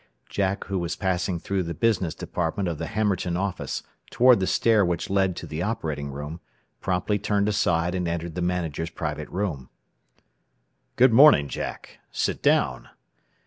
Jack, who was passing through the business department of the Hammerton office, toward the stair which led to the operating room, promptly turned aside and entered the manager's private room. "Good morning, Jack. Sit down.